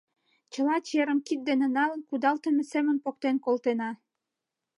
Чыла черым кид дене налын кудалтыме семын поктен колтена.